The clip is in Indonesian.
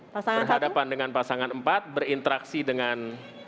berhadapan dengan pasangan empat berinteraksi dengan